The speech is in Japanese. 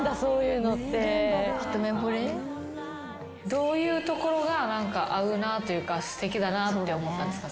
どういうところが合うなというかすてきだなって思ったんですか？